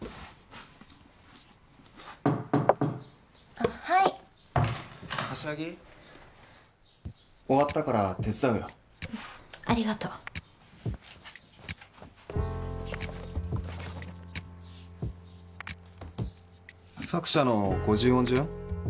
・・あっはい柏木終わったから手伝うよありがと作者の五十音順？